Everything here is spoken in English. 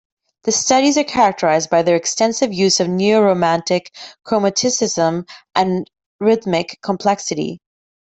The studies are characterized by their extensive use of neo-romantic chromaticism and rhythmic complexity.